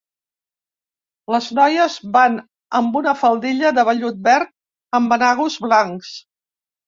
Les noies van amb una faldilla de vellut verd amb enagos blancs.